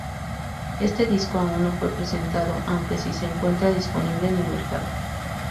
Este disco aún no fue presentado aunque si se encuentra disponible en el mercado.